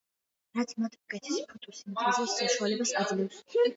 რაც მათ უკეთესი ფოტოსინთეზის საშუალებას აძლევს.